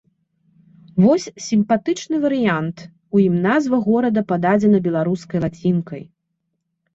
Вось сімпатычны варыянт, у ім назва горада пададзена беларускай лацінкай.